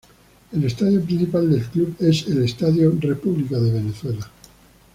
El estadio principal del club es el Estadio República de Venezuela.